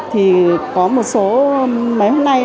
thì có một số mấy hôm nay